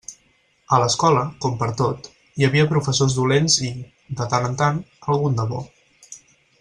A l'escola, com pertot, hi havia professors dolents i, de tant en tant, algun de bo.